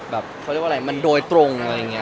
แล้วถ่ายละครมันก็๘๙เดือนอะไรอย่างนี้